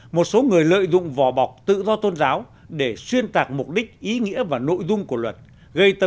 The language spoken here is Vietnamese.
một số người lợi dụng vỏ bọc tự do tôn giáo để xuyên tạc mục đích ý nghĩa và nội dung của luật gây